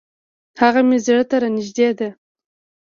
هغه مي زړه ته را نژدې ده .